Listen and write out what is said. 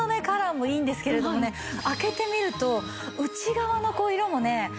カラーもいいんですけれどもね開けてみると内側の色もね